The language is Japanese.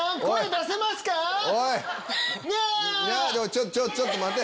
ちょちょちょっと待て！